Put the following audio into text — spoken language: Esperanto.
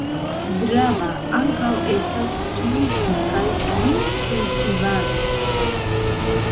Grava ankaŭ estas turismo kaj vinkultivado.